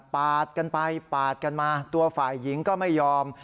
ปาดกันไปปาดกันมาตัวฝ่ายหญิงก็ไม่ยอม